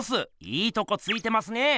いいとこついてますね。